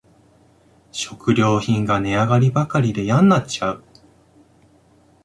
食料品が値上がりばかりでやんなっちゃう